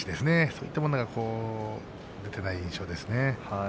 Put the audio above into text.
そういったものが出ていない印象ですね。